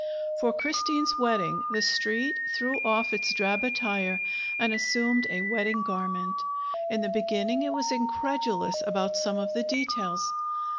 For Christine's wedding the Street threw off its drab attire and assumed a wedding garment. In the beginning it was incredulous about some of the details.